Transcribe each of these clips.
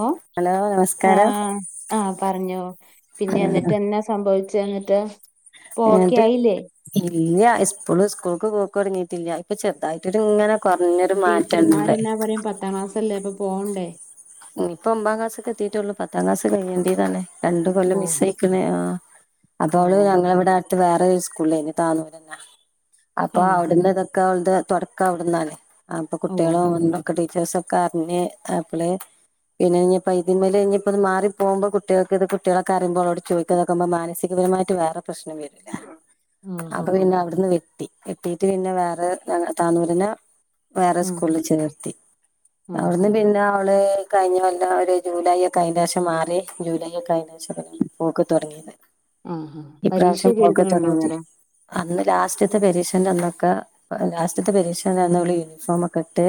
ഓഹ് hello നമസ്കാരം ആഹ് ആഹ് പറഞ്ഞോ ആ പിന്നെ എന്നിട്ട് എന്നാ സംഭവിച്ചേ എന്നിട്ട്? ഇപ്പൊ ഓക്കെ എന്നിട്ട് ആയില്ലേ ഇല്ല ഇസ്കുള് സ്കൂൾക്ക് പോക്ക് തൊടങ്ങിട്ടില്ല ഇപ്പ ചെ അഹായിട്ടൊര് ഇങ്ങനെ കൊർഞ്ഞൊരു അപ്പൊ മാറ്റണ്ട്. ടീച്ചർമാരെന്നാ പറയും പത്താം ക്ലാസല്ലേ അപ്പം പോണ്ടേ? ഇപ്പോ ഒമ്പാക്ലാസ്സ്ക്ക് എത്തീറ്റൊള്ളൂ പത്താം ക്ലാസ്സ് കഴിഞ്ഞേണ്ട്യതാണ്. രണ്ടു ഓ കൊല്ലം മിസേക്കണ് ആഹ് അപ്പോ ഓ ഓള് ഞങ്ങളിവിടെ ത്ത് വേറെ ഉസ്കൂളേനു താന്ന് ഇവരന്നാ അപ്പോ ആഹ് അവിടുന്നത് ക്കാള്ത് തൊടക്കം അവിടുന്നാലേ അപ്പം ഓഹ് കുട്ടികളോണ്ടോ ക്ക് ടീച്ചേസൊക്കെ അറിഞ്ഞ് തപ്പളേ പിന്നെ ഇനിപ്പം ഇതിൻ മേല ഇപ്പത് മാറി പോവുമ്പം കുട്ടികൾക്കിത് കുട്ടികളക്ക അറിമ്പോ അവളോട് ചോദിക്കുന്ന ക്കമ്പം മാനസികപരമായിട്ട് വേറെ പ്രശ്നം വരൂല്ല ആഹ് അപ്പോ ആഹ് പിന്ന അവിടുന്ന് ടി എത്തീറ്റ് പിന്നെ വേറെ താനൂലിനെ വേറെ ആഹ് ആഹ് സ്കൂളില് ചേർത്തി ആഹ് ആഹ് അവിടുന്ന് പിന്നെ അവള് കഴിഞ്ഞ വല്ല ഒരു ജൂലൈ ഒക്കെഴിഞ്ഞേശം മാറി ജൂലൈ ഒക്കെ ആഴിഞ്ഞേശം പോക്ക് തൊടങ്ങിയത് ആഹ് ആഹ് ഈപ്രാവശ്യം പരീക്ഷയൊക്കെ പോക് എഴുതലുണ്ടോ തൊടങ്ങിറ്റ് അന്നേരം അന്ന് ലാസ്റ്റത്തെ പരീക്ഷന്റെ അന്നൊക്ക ലാസ്റ്റത്തെ പരീക്ഷാ അന്ന് അവള് യൂണിഫോം ഒക്കെ ഇട്ട്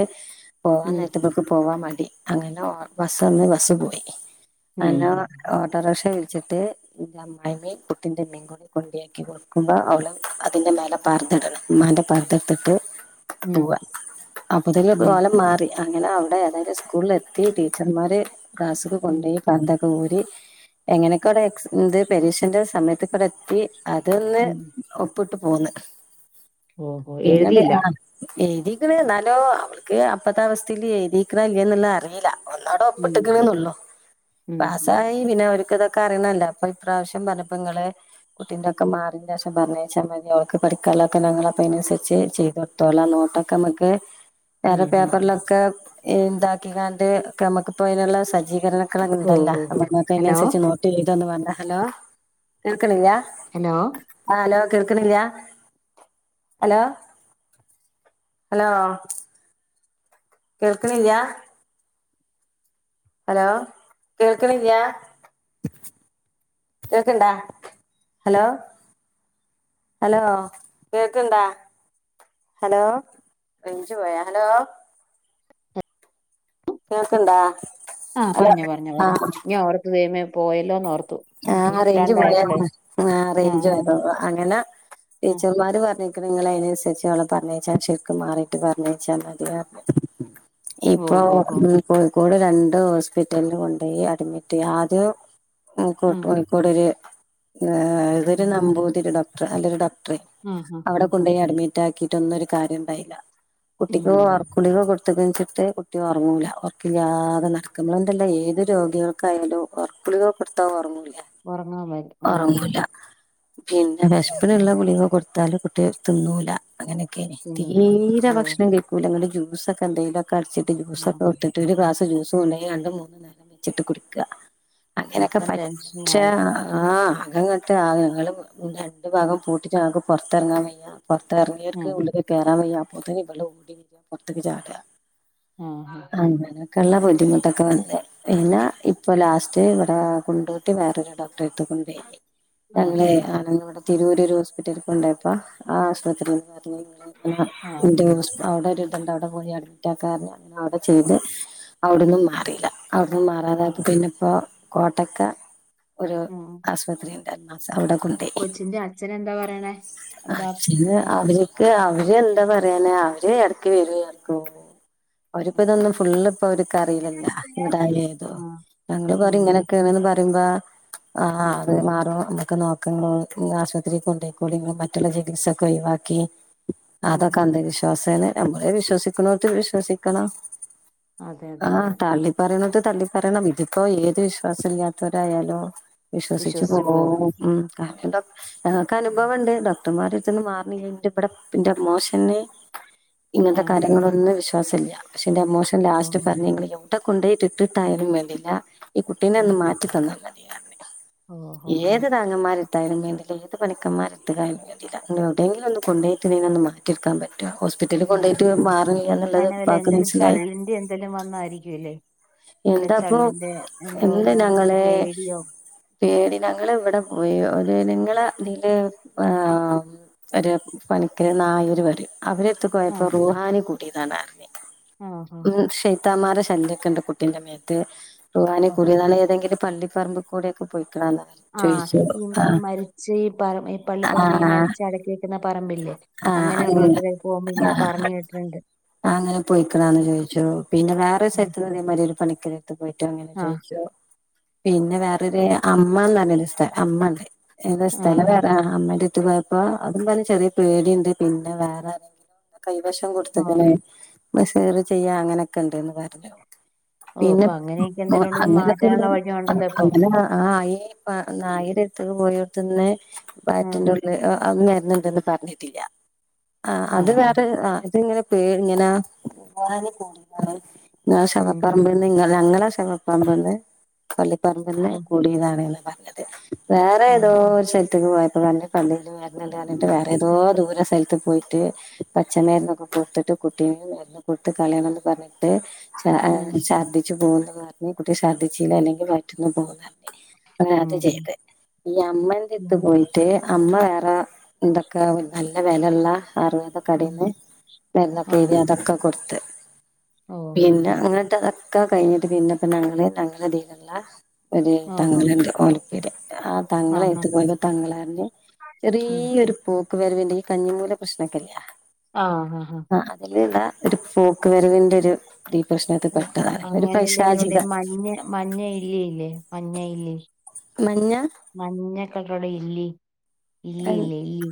പോവാൻ ഉം നേരത്തപ്പക്ക് പോവാൻ മടി അങ്ങന ബസ് വന്ന് ബസ് പോയി ഉം അങ്ങനാ ഓട്ടോറിക്ഷ വിളിച്ചിട്ട് എന്റെ അമ്മായിയമ്മേം കുട്ടിന്റെ മേമ നോക്കി കൊണ്ടിയേക്ക് കൊടുക്കുമ്പം അവള് അതിന്റെ മേലെ പർദ്ദ ഇടണം ഉമ്മാന്റെ പർദ്ദെ എടുത്തിട്ട് ഉം പൂവാൻ ഉം കോലം മാറി അങ്ങനെ അവിടെ അതായത് സ്കൂളില് ത്തി ടീച്ചർമാരെ ക്ലാസ്സില് ഉം കൊണ്ടേപോക പർദ്ദെക്ക ഊരി എങ്ങനേക്കോ അവിടെ എക്സ് പെരീക്ഷന്റെ സമയത്ത് ക്കൂട എത്തി അതല്ലേ ഉം. ഒപ്പിട്ടുപോന്ന് ഓഹോ എഴുതിയില്ല [unintelligible] ആഹ് എഴുതിക്കണ് എന്നാലും അവൾക്ക് അപ്പത്ത അവസ്ഥേല് എഴുതിക്കണ് ഇല്ലേന്നുള്ള അറിയില്ല ഒന്നാട ഒപ്പ് ഉം ഇട്ട്ക്കണ്ന്നുള്ളു ഉം പാസ്സായി പി പിന്നെ അവർക്ക് ഇതൊക്ക അറിയുന്നല്ല അപ്പം ഇപ്രാവശ്യം പറഞ്ഞപ്പം നിങ്ങള് കുട്ടീന്റെ ഒക്കെ മാറിന്റേശം പറഞ്ഞെഴിച്ചാൽ മതി ഓൾക്ക് പഠിക്കാള്ളക്കെ ഞങ്ങള് അപ്പ അനുസരിച്ച് ചെയ്തു ത്തൊളാം നോട്ടൊക്ക ഞമക്ക് ഉം വേറെ ഉം പേപ്പറിലൊക്കെ ഇന്താക്കി കാണ്ട് ക്രമക്ക് പോയിനുള്ള സ് സജ്ജീകരണക്കള് ഉണ്ടല്ലാ ഓഹ് ഓഹ് ഞമ്മൾക്ക് ഹലോ അയിനനുസരിച്ച് നോട്ട് എയ്തൊന്നും വേണ്ടാ ഹലോ കേക്കണില്ല ഹലോ ആഹ് ഹലോ കേൾക്കണില്ല ഹലോ ഹലോ കേൾക്കണില്ല ഹലോ കേൾക്കണില്ല കേക്കണ്ടാ ഹലോ ഹലോ കേൾക്കണ്ടാ ഹലോ റേഞ്ചു പോയാ ഹലോ കേൾക്കിണ്ടാ ആഹ് പറഞ്ഞോ പറഞ്ഞോ പറി ഇനി ഓർത്ത ദേമേ പോയല്ലോന്ന് ഓർത്തു നമുക്ക് ആഹ് റേഞ്ച് കിട്ടാണ്ടായപ്പളേ ആ റേഞ്ച് ആഹ് [unintelligible] അങ്ങനെ ആഹ് ആഹ് ടീച്ചർമാര് പറഞ്ഞി നിങ്ങൾ അയ്നൻസര്ച്ച് അവളെ പർഞ്ഞയ്ച്ചാ ശരിക്കും മാറിട്ട് പറഞ്ഞ യ്ച്ചാൽ മതി ഇപ്പൊ ഓഹ് ഓഹ് കോഴിക്കോട് രണ്ട് ഹോസ്പിറ്റൽല് കൊണ്ടോയി അഡ്മിറ്റ് ആദ്യ ആഹ് കോ ഉം കോഴിക്കോടൊരു ഏഹ് ഇതൊരു ആഹ് നാബുതിരി ഡോക്ടർ അല്ലൊരു ഡോക്ടർ ആഹ് അവടെ ആഹ് ആഹ് കൊണ്ടയാ അഡ്മി ട്ടാക്കിട്ടൊന്നും ഒരു കാര്യം ഉണ്ടായില്ല ഉം കുട്ടിക്ക് പോ ഉം. കുളിക കൊട്ത്തത് വെച്ചിട്ട് കുട്ടി ഒറങ്ങൂല്ല ഒർക്കില്ലാതെ നടക്ക നമ്മള്ണ്ടല്ലൊ ഏത് രോഗികൾക്കായാലും ഒർക്കുളിക കൊട്ത്താ ഒറങ്ങൂല. ഉറങ്ങാൻ വരും ആഹ് ഒറങ്ങൂല പിന്നെ വെഷപ്പിന്ള്ള കുളിക കൊട്ത്താല് കുട്ടി ത് ന്നൂല അങ്ങനെക്കെയ്നി പിന്നില്ല തീരെ ഓഹ് ഭക്ഷണം ക [unintelligible] ജൂസൊക്കെ എന്തേലൊക്ക അട്ച്ച്ട്ട് ജൂസൊക്കെ ആഹ് കൊട്‌ത്ട്ട് ഒരു ഗ്ലാസ് ജൂസ് ചൂണയും രണ്ട് മൂന്ന് നേരം വെച്ചി്ട്ട് കുടിക്ക അങ്ങനെയൊക്കെ മൊത്തം പറ്റ ക്ഷെ ടെൻഷനായി ആഹ് അ [unintelligible] ട്ടാണ് ഞങ്ങൾ രണ്ട് ഭാഗം പൂട്ടിട്ട് ഞങ്ങൾക്ക് പൊർത്തറങ്ങാൻ വയ്യ പൊർത്തർങ്ങിയർക്ക് ഉം ഉളള്ക്ക് കേറാൻ വയ്യ അപ്പോത്തിന് ഇവളോടീ പൊർത്ത്ക്ക് ചാടാ ആഹ് ആഹ് ക്കള്ള ബുദ്ധിമുട്ടൊക്കെ വന്ന് പിന്നെ ഇപ്പൊ ലാസ് റ്റ് ഇവടാ കൊണ്ടോട്ടി വേറൊരു ഡോക്ടെ എട്ത്ത് കുണ്ടോയി ഞങ്ങെളെ ആഹ് [unintelligible] തിരൂര് ഒര് ഹോസ്പിറ്റൽക്കൊണ്ടേയപ്പോ ആ ആശ്പത്രീന്ന് പർഞ്ഞ് ആഹ് [unintelligible] അവ്ടെ ഒര്ത്ണ്ട് അവ്ടെ പോയി അഡ്മിറ്റാക്കാർഞ്ഞ് ങ്ങ അവ്ടെ ചെയ്ത് അവ്ട്ന്നും മാറീലാ അവ്ട്ന്നും ആഹ് മാറാതായപ്പം പിന്നെപ്പോ കോട്ടക്കെ ഒരു ആഹ് ആസ്പത്രി ണ്ട് ൽനാസ് അവ്ടെ കൊണ്ടേയ് കൊച്ചിന്റെ അച്ഛെനെന്താ പറയണേ ബാ അച്ഛന് പ്പ അവര്ക്ക് അവര് എന്താ പറയ്ണേ അവര് എട്ക്ക് വെരും എട്ക്ക് പോകും അവര്പ്പൊ ഇതൊന്നും ഫുള്ള് പ്പൊ അവര്ക്ക് അറീലല്ലോ ആഹ് ഇതാ ഏതൂ ഞങ്ങൾ പറിം ഉം ഇങ്ങനെക്കേണ്ന്ന് പറിംമ്പാ ആഹ് ഉം അത് മാറും നമ്ക്ക് നോക്കാ [unintelligible] ആശ്പത്രീക്ക് കൊണ്ടയ്‌ക്കോളിം [unintelligible] മറ്റുള്ള ചികിത്സൊക്കെ ഒയ്‌വാക്കി ഉം അതൊക്കെ അന്ധവിശ്വാസേണ് ഞമ്മള് വിശ്വസിക്ക്ണോട്ത്ത് വിശ്വസിക്കണം അതെ അതെ ആഹ് അതെ തളി പറീണെത് തള്ളി പറെണം ഇതിപ്പോ ഏത് വിശ്വാസം ഇല്ല്യാത്താേരായാലോ വിശ്വസിച്ച് പോവും ഉം കാര് [unintelligible] ഞങ്ങക്ക് അനുഭവം ണ്ടേണ്ടോ ട്ടമ്മാരെട്‌ത്ത്ന്ന് മാറ്ണിയ്യ ഇൻ്റെ ബെടെ ഇൻ്റമ്മോഷെന് ഇങ്ങൻത്തെ ആഹാ കാര്യങ്ങളോടൊന്ന് വിശ് വാസല്ല്യാ പക്ഷെ ഇന്റെ അമ്മോഷൻ ലാസ്റ്റ് ഓഹോ പർഞ്ഞ് ങ്ങെള് എവ്ടെ കൊണ്ടോയ്ട്ട്ട്ട്ട്ടായാലും വേണ്ടില്ലാ ഈ കുട്ടിനെന്ന് ഉം മാറ്റി തന്നാ മതി അർഞ്ഞ് ഓഹോ ഹോ ഏത് ത ങ്ങൻമാരെട്ത്തായാലും വേണ്ടില്ല ഏത് പണിക്കൻമാരെട്ത്ത്ക്കായാലും ല്ല ങ്ങെൾ ഒവ്ടെയെങ്കിലും ഒന്ന് കൊണ്ടേയ്റ്റ് ഇതിനൊന്ന് മാറ്റിട്ക്കാം പറ്റോ ഹോസ് പിറ്റൽല് ഉം ഉം കൊണ്ടോയ്ട്ട് ഉം മാർൺല്ല്യാന്ന്ള്ളെത് പ്പാക്ക് മൻസ്സിലായി ഇതെല്ല വന്നായിരിക്കും അല്ലേ വല്ല എന്താപ്പൊ ചള്ള്ന്റെ എന്ത് എന്തോലും ഞങ്ങള് പേടിയോ പേടി ഞങ്ങള് വടെ പോയി ഒര് നിങ്ങളെ തീല് ആഹ് ഒര് പണിക്കര് നായര് പറിം അവരെട്ത്ത്ക്ക് പോയപ്പം റൂഹാനി കൂട്യേതാണർഞ്ഞ് ആഹ് ആഹ് ഷെയ്ത്താമാരെ ശല്ല്യൊക്കെണ്ട് കുട്ടിന്റെ മേത്ത് റൂഹാനി ആഹ് കൂട്യേതാണ് ഏതെങ്കിലും പള്ളി പറമ്പ് കൂടെയൊക്കെ പൊയ്ക്ക്ണതാർ ആഹ് ഈ ഈ മരിച്ച് ഈ പറ ഈ ആ പള്ളിപ്പറമ്പ് ഈ മരിച്ചെ അടക്കി വെക്ക്ന്ന പറമ്പില്ലേ ആ അങ്ങനെ അങ്ങനെയുള്ളോള്ത്ത്ക്ക് പോവുമ്പെ ഇങ്ങെനെ പറഞ്ഞ് കേട്ടിണ്ട് ആഹ് അങ്ങെനെ പൊയ്ക്ക്ണാന്ന് ചോയ്ച്ചു പിന്നെ വേറൊര് ഉം സ്ഥൽത്ത്ന്ന് ഇതേ മായ്രി ഒര് പണിക്കെര് ത്ത് പോയിട്ടും അങ്ങെനെ ആഹ് ചോയ്ച്ചു പിന്നെ വേറൊരു അമ്മംന്നർഞ്ഞാെരു സ്ഥല അമ്മണ്ട് ഏതാ സ്ഥല വേറെ ആഹ് അമ്മെൻ്റെട്ത്ത് പോയപ്പോ അതും പറ് ചെറ്യേ പേടിണ്ട് പിന്നെ വേറെ കൈവെശം ആഹ് കൊട്ത്ത്ക്ണ് ശ്ഹ്റ് ചെയ്യാ അങ്ങനെക്കെണ്ട്ന്ന് പർഞ്ഞു ഓ പിന്നെ ഇപ്പൊ അങ്ങനെയൊക്കെ ഒ എന്തെലും ഉണ്ടെങ്കി അങ്ങനൊക്കെ മാറ്റാനുള്ള വഴിയുണ്ടല്ലോ [unintelligible] ഇപ്പൊ അങ്ങനെ ആഹ് അയ്ന് പാ നായെര് ത്ത്ന്ന് പോയോട്ത്ത്ന്ന് ആഹ് ബാറ്റിന്റെ ഉള്ള് അ [unintelligible] വെര്ന്ന്ണ്ട്ന്ന് പർഞ്ഞിട്ടില്ലാ ആഹ് അത് വേറെ ആഹ് ഇത്ങ്ങനെ പേ ഇങ്ങെനാ [unintelligible] ങ്ങെളെ ഉം ശവപ്പറമ്പ്ന്ന് ഇങ്ങ ഞങ്ങെളെ ശവപ്പർമ്പ്ന്ന് പള്ളിപ്പർമ്പ്ന്ന് ഓ കൂടിന്നാണ്ന്ന് പർഞ്ഞത് ഓ വേറേതോ ഒര് സൽത്ത്ക്ക് പോയ ഓന്റെ പള്ളീല് വെര്ണ്ട് അർഞ്ഞിട്ട് വേ തോ ദൂര സൽത്ത് പോയിട്ട് പച്ചമെര്ന്നൊക്കെ കൊട്ത്ത്ട്ട് കുട്ടിനെ കൊട്ത്ത് കളേണംന്ന് പർഞ്ഞ് ട്ട് ച ഉം എഹ് ചർദിച്ച് പോവുംന്ന് പർഞ്ഞ് കുട്ടി ശർദ്ദിച്ചീല അല്ലെങ്കി വയറ്റ്ന്ന് പോവുംന്നർ അങ്ങെനെ അത് ആഹാ. ചെയ്ത് ഈ അമ്മെന്റെട്ത്ത് ഉം. പോയിട്ട് അമ്മ വേറാ എന്ത ക്കാ നല്ലെ വെലെള്ളാ ആയൂർവേദ ഉം. കടേന്ന് ആഹാ. മെര്ന്നൊക്കെയ്ത്യാണ്ട് അതൊക്കെ കൊട്ത്ത് പിന്നെ ഓഹോഹോ. അങ്ങൻത്തതാെക്കെ കയ്ഞ്ഞിട്ട് പിന്നെപ്പ ഞങ്ങള് ഞങ്ങളെതീല്ള്ള ഒര് ആഹാ. തങ്ങള്ണ്ട് ഓലെപ്പേര് താ ആഹാ. തങ്ങളെട്ത്ത്ക്ക് പോയപ്പോ തങ്ങളർഞ്ഞ് ചെറീയൊരു ഉം. ക്ക് വരവിന്റെ ഈ കഞ്ഞിമൂല പ്രശ്നൊക്കെല്ലാ ആഹ് ഹാ ഹാ അതിലുള്ള ഒരു പോക്ക് വരവിന്റെ ഒരു ഈ പ്രശ്ന ഓ അങ്ങനെ എന്തെങ്കിലുണ്ടേ മഞ്ഞ മഞ്ഞ ഇല്ലി ഇല്ലേ മഞ്ഞ ഇല്ലി. മഞ്ഞ. മഞ്ഞ കളറുളള ഇല്ലി. ഇല്ലി ഇല്ലേ ഇല്ലി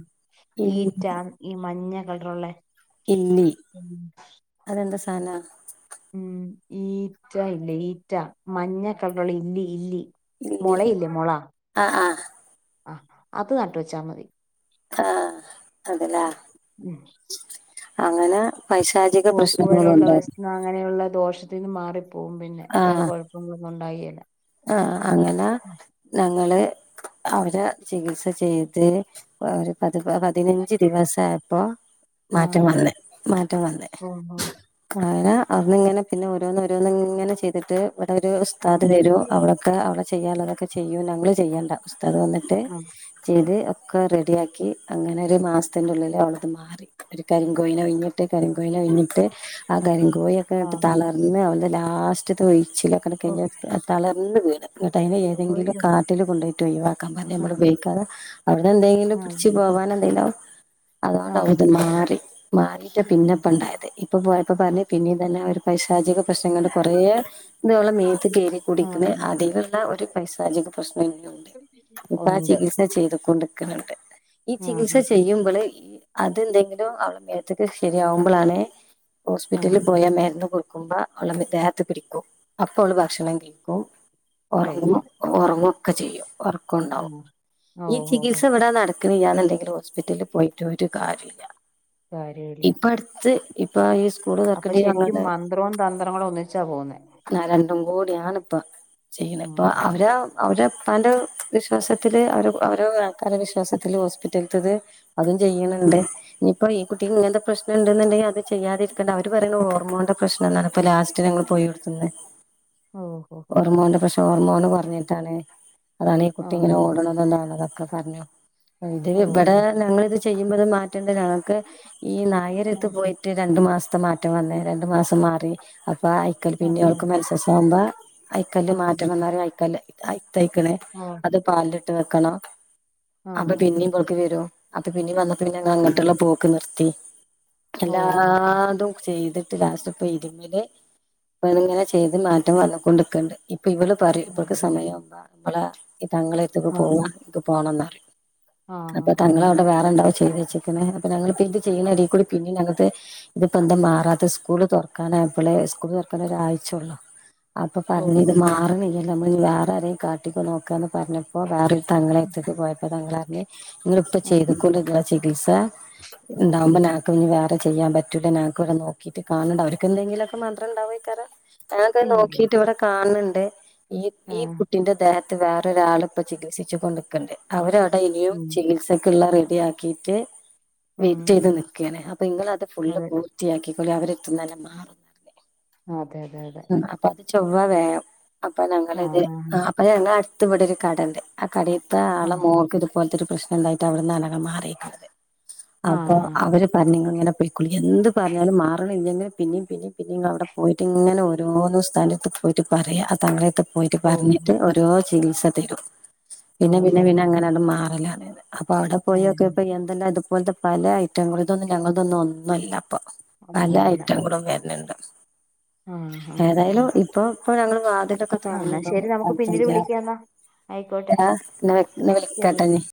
ഈറ്റാ ഈ മഞ്ഞ കളറുള്ള ഇല്ലി അതെന്താ സാധന? ഉം ഈറ്റ ഇല്ലേ ഈറ്റ മഞ്ഞ കളറുള്ള ഇല്ലി ഇല്ലി ഇല്ലേ മുളയില്ലേ മുള ആ ആ ആഹ് അത് നട്ട് വെച്ചാ മതി. ആഹ് അത് ലേ ഉം. അങ്ങനെ പൈശാചിക പോക്കുവരവുള്ള പ്രശ്നങ്ങളുണ്ടോ. ഭക്ഷണം അങ്ങനെയുള്ള ദോഷത്തിന്ന് മാറിപ്പോകും, പിന്നെ വേറെ കുഴപ്പങ്ങളൊന്നും ഉണ്ടാവേല്ല. ആഹ് ആഹ് അങ്ങനെ ഞങ്ങള് അവരെ ചികിത്സ ചെയ്ത് ഒരു പതി പതിനഞ്ച് ദിവസയപ്പോ മാറ്റം ആഹ് വന്ന് മാറ്റം വന്ന് ആഹ് അങ്ങനെ അന്ന് ഇങ്ങനെ പിന്നെ ഓരോന്ന് ഓരോന്ന് ഇങ്ങനെ ചെയ്തിട്ട് ഇവിടെ ഒരു ഉസ്താദ് ആഹ് വരും. ആഹ് അവവിടെൊക്കെ അ അവവിടെ ചെയ്യാനുള്ളതൊക്കെ ചെയ്യും ഞങ്ങള് ചെയ്യേണ്ട ഉസ്താദ് വന്നിട്ട് ആഹ് ചെയ്ത് ഒക്കെ റെഡിയാക്കി അങ്ങനെ ഒരു മാസത്തിന്റെ ഉള്ളിൽ അവനത് മാറി. ഒരു കരിങ്കോഴിനെ ഉഴിഞ്ഞ്. ട്ട് കരങ്കോഴിനെ ഉഴിഞ്ഞിട്ട് ആ കരിങ്കോഴി ഒക്കെ ഇങ്ങട്ട് ആഹ് ആഹ് തളർന്ന് അവന്റെ ലാസ്റ്റത്തെ ഒഴിച്ചില് ങ്ങട്ട് കഴിഞ്ഞ് തളർന്ന് പോയിന് ങ്ങട്ട് അയിനെ ഓഹ് ഏതെങ്കിലും അയ്യോ കാട്ടിൽ കൊണ്ടോയി. ട്ട് ഒഴിവാക്കാൻ പറഞ്ഞ് നമ്മള് ആഹ് ഉപയോഗിക്കാതെ അവന് എന്തെങ്കിലും പിടിച്ച് ആഹ് പോവാന് എന്തെങ്കിലും ആവും. അതുകൊണ്ട് ഓൾത് ആഹ് മാറി, മാറിയിട്ട് ആഹ് പിന്നെപ്പ ഉണ്ടായത്. ഇപ്പോ പ്പോയപ്പോ പറഞ്ഞ് പിന്നിം ഇതന്നെ പൈശാചിക പ്രശ്നങ്ങൾ കൊറെ ഇതോളെ ആഹ് മേത്ത് കേറി. ടിക്കണ്, ആഹ് ആഹ് അതിലുള്ള ഒരു പൈശാചിക പ്രശ്നണ്ട്, ഇപ്പൊ ആ ഉണ്ട് ചികിത്സ ചെയ്തക്കോണ്ട്. ക്കണണ്ട്, ഈ ആഹ് ചികിത്സ ആഹ് ചെയ്യുമ്പോൾ. അതെന്തെങ്കിലും അവളെ മേത്തക്ക് ശരിയാവുമ്പോളാണ് ഹോസ്പിറ്റലിൽ ആഹ് പോയാ മേരുന്ന് കൊടു [inaudible] ക്കുമ്പ അ അവളെ ദേഹത്ത് പിടിക്കും അപ്പോ ഓള് ഭക്ഷണം കഴിക്കും ഉറങ്ങും. കഴിക്കും ഉറങ്ങൊക്കെ ചെയ്യും, ഉറക്കുണ്ടാവും ആഹ് ഓഹ് ഈ ഓഹോ ഹോ ചികിത്സ ഇവിടെ നട ഇക്ക് വയ്യാതെ എന്തെങ്കിലും ഹോസ്പിറ്റലിൽ പോയിട്ട് ഒരു കാര്യല്ല, കാര്യമില്ല ഇപ്പ അടുത്ത് ഇപ്പൊ ഈ സ്കൂള് അപ്പൊ തൊർക്കണണ്ട ശരിക്കും അങ്ങനെ. മന്ത്രവും തന്ത്രങ്ങളും ഒന്നിച്ചാ പോകുന്നേ ന്നാ രണ്ടും കൂടിയാണ്പ്പോ ചെയ്യുന്നത്, ഇപ്പൊ ഉം അവര്. അവരെ ഉപ്പന്റെ വിശ്വാസത്തില് അവര് അവര് ആൾക്കാരുടെ വിശ്വാസത്തില് ഹോസ്പിറ്റല്ത്തത്. അതും ഉം ചെയ്യണണ്ട്. ഇപ്പൊ ഈ കുട്ടിക്ക് ഇങ്ങനത്തെ പ്രശ്നംണ്ടുണ്ടെങ്കിൽ അത് ചെയ്യാതിരിക്കണ്ട അവര്യ ോഓർോന്റെ പ്രശ്ം എന്നാണ്പ്പപ്പോ ലാസ്റ്റ് ഞങ്ങൾ പോയി. െ. ഓ. ഓർമോന്റെ പക്ഷെ ഓർമോന്ന് പറഞ്ഞിട്ടാണ് അതാണ് ഈ കുട്ടിങ്ങനെ ആഹ് ഓടണത എന്താാണ് അതൊക്കെ പറഞ്ഞു ഇത് ഇവിടെ ഓഹോ ഞങ്ങിത് ചെയ്യുമ്പോത് മാറ്റണ്ട് ഞങ്ങൾക്ക് ഈ നായര എത്ത് ആഹ് പോയി. മ രണ്ടു മാസത്തെ മാറ്റം വന്നേ രണ്ടു മാസം മാറി അപ്പൊ അയിക്കൽ പിന്നെ ആഹ് അവർക്ക് മത്സസ ആവുമ്പോ. അയക്കല്ല് ആഹ് ആഹ് മാറ്റം വന്നറിയ അയക്കല് അയിത്തയക്കണേ അത് പാലിട്ട് വെക്കണം. ഓഹ് അപ്പൊ ആഹ് പിന്നെയ ആഹ് പോൊക്കക്ക് വരോ അപ്പൊ പിന്നും വന്നപ്പന്നെ ഞ അങ്ങോട്ടുള്ള പോൂക്ക്െ നിർത്തി. ഓഹ് ഓഹ് അല്ലാതെ ചെയ്തി്. രാസപ്പ ഇരുമല് ഇങ്ങനെ ചെയ്ത് മാറ്റം വന്നൊണ്ടിക്കണ്ട്. ഇപ്പൊ ഇവള് പറ ആ ഇവക്ക് സമയംുമ്പ ഇമ്മളെ താങ്കെ എത്തൊക്കെ ആ പോകവാ. ഇ പോണംന്ന്റ ആ ആ അപ്പൊ ആ. തങ്ങള. വേറെണ്ടാവോ ചെയ്ത് വച്ചേക്കുന്നത് അപ്പ ഞങ്ങൾന്ന ഇത് ചെയ്യണ അൽ കൂടി പിന്നെ ഞങ്ങക്ക്. ഇതിപ്പോ എന്താ മാറാത്ത സ്കൂള് തുറക്കാനായപ്പോളെ സ്കൂള് തുറക്കാ ഒരാഴ്ചയള്ളോ. അപ്പൊ ഓ പറഞ്ഞഞ് ഇത് ഓ മാറണില്ലല്ലേ നമ്മൾ വേറെ ആരേും കാട്ടിിക്ക നോക്കാന്ന് പറഞ്ഞപ്പോ വേറെ. തങ്ങളെ എത്ത പോയപ്പോ തങ്ങളൾ അറിഞ്ഞഞ് നിങ്ങ ഇപ്പ ആ ചെയ്തക്കൊണ്ട് നിങ്ങള ചികിത്സ. ആ ന്താമ്പന വേറെ ചെയ്യാൻ പറ്റൂല്ല ഞക്ക്വിടെ നോക്കിട്ട് കാണണ്ട അവർക്ക്ന്തെിലൊക്കെ മാത്രം ഉണ്ടോ പിന്നെ [unintelligible] ഇല്ല ഇവിടെ കാണണണ്ട് ഈ ആ ഈ കുട്ടിന്റെ ദേഹത്ത് വേറൊരാള ഇപ്പൊ ചികിത്സിച്ചച്ച് കൊണ്ട്ക്കണ്ട് അവരവിടെ ഇനിയും ഉം ചികിത്സക്കുള്ള റെഡി ആക്കിട്ട് ഉം വെയിറ്റ് ചെയ്ത് നിക്കണെ അപ്പൊ നിങ്ങത് ഫുള്ള് അതെ പൂർത്തിയാക്കിക്കൊളി അവരെത്തുന്നല്ല മാറുന്നേ ആഹ് അതെ അതെ അതെ അപ്പ അത് ചൊവ്വ വേഗം അപ്പൊ ആ ഞങ്ങളിത് ആ അപ്പൊ ഞങ്ങ അടുത്തവിടെൊ ഒരു കടണ്ട് ആഹ് കടയിത്ത ആ ആളെ മോക്ക് ഇതുപോലത്തെ ഒരു പ്രശ്നം ഉണ്ടായിട്ട് അവിടുന്ന്നകെ മാറിയിരിക്കണുന്നത് ആ ആ അപ്പൊ ആ അവര് പറഞ്ഞ അങ്ങനെ പോയിക്കളി എന്ത് പറഞ്ഞാലും മാറണം ഇന്തെങ്ങെ പിന്നെയും പിന്ന പിന്നെ അവിടെ പോയിട്ട് ഇങ്ങനെ ഓരോരോ സ്ഥലത്ത് പോയിട്ട് പറയുക തങ്ങളയത്ത് പോയിട്ട് ഓ പറഞ്ഞിട്ട് ഓ ഓരോ ചികിത്സ തരും ഓ പിന്നെ പിന്നെ ഹോ പിന്നെ ഹോ അങ്ങനെ അങ്ങന്നും മാറില്ലത് അപ്പൊ അവിടെ ആ പോയിൊക്കെപ്പൊ എന്തെല്ലാം ഇതുപോലത്തെ പല ഐറ്റങ്ങള ഇതൊന്നും ഞങ്ങളതൊന്നും ഒന്നുമല്ല അപ്പൊ നല്ല ഒന്നുമല്ല ഐറ്റം കൂടും വരുന്നുണ്ട് ആഹ് ആഹ് ആഹ് ഏതായാലും ആഹ് ഇപ്പൊ ഇപ്പ ഞങ്ങള്ൾ വാതി ഒക്കെ തോന്നട ശരി നമുക്ക് പത്തഞ്ച പിന്നീട് വിളിക്കാം എന്നാ ആയിക്കോട്ടെ വി ശരി കേട്ടഞ്ഞ എന്നാ